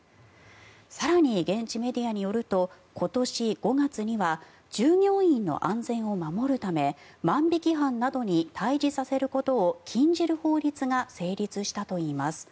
更に、現地メディアによると今年５月には従業員の安全を守るため万引き犯などに対峙させることを禁じる法律が成立したといいます。